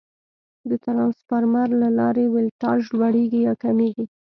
د ترانسفارمر له لارې ولټاژ لوړېږي یا کمېږي.